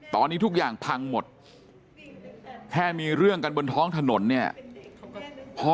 ตอนนี้ทุกอย่างพังหมดแค่มีเรื่องกันบนท้องถนนเนี่ยพ่อ